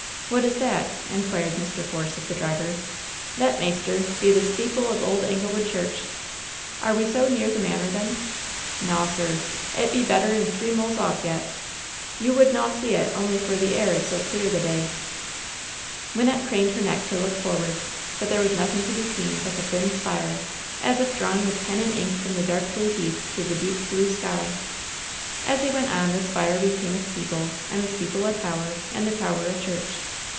"What is that ?" inquired Mr. Force of the driver. "Thet, maister, be the steeple of old Anglewood Church." "Are we so near the manor, then f ' LOVE'S BITTEREST CUP 209 "Naw, sir. It be better'n three mulls off yet. You would naw see it, only for the air is so clear the day/' Wynnette craned her neck to look forward. But there was nothing to be seen but the thin spire, as if drawn with pen and ink from the dark blue heath to the deep blue sky. As they went on, the spire became a steeple, and the steeple a tower, and the tower a church.